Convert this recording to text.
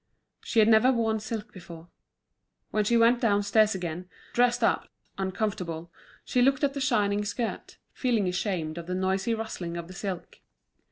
She had never worn silk before. When she went downstairs again, dressed up, uncomfortable, she looked at the shining skirt, feeling ashamed of the noisy rustling of the silk.